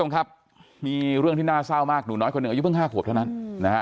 คุณผู้ชมครับมีเรื่องที่น่าเศร้ามากหนูน้อยคนหนึ่งอายุเพิ่ง๕ขวบเท่านั้นนะฮะ